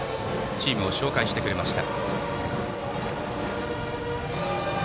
チームを紹介してくれました。